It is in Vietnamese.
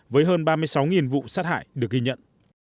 với hơn ba mươi sáu vụ sát hại được ghi nhận